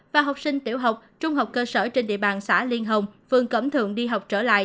và học sinh tiểu học trung học cơ sở trên địa bàn xã liên hồng phường cẩm thượng đi học trở lại